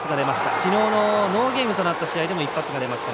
きのうノーゲームとなった試合でも一発が出ました。